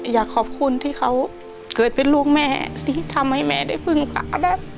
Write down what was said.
อยากขอบคุณที่เขาเกิดเป็นลูกแม่ที่ทำให้แม่ได้พึ่งป่าได้